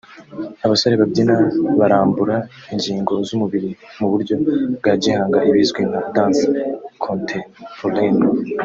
Abasore babyina barambura ingingo z’umubiri mu buryo bwa gihanga ibizwi nka ‘danse contemporaine’